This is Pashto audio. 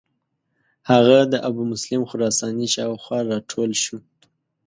هغه د ابومسلم خراساني شاو خوا را ټول شو.